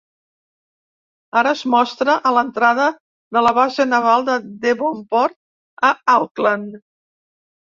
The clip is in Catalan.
Ara es mostra a l'entrada de la base naval de Devonport a Auckland.